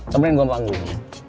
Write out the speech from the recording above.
temenin gue om agung